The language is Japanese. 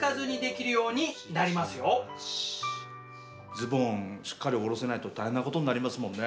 ズボンしっかり下ろせないと大変なことになりますもんね。